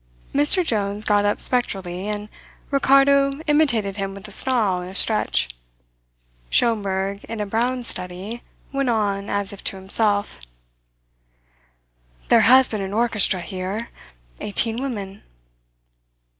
Mr Jones got up spectrally, and Ricardo imitated him with a snarl and a stretch. Schomberg, in a brown study, went on, as if to himself: "There has been an orchestra here eighteen women."